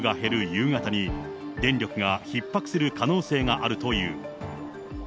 夕方に、電力がひっ迫する可能性があるという。